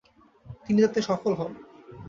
তিনি তাতে সফল হন।